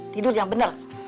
tidur yang bener